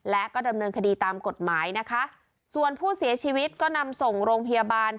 และก็ดำเนินคดีตามกฎหมายนะคะส่วนผู้เสียชีวิตก็นำส่งโรงพยาบาล